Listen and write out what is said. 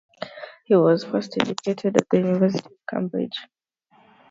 He was first educated at the University of Cambridge.